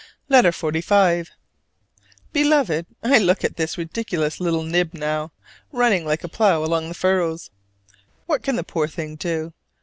LETTER XLV. Beloved: I look at this ridiculous little nib now, running like a plow along the furrows! What can the poor thing do?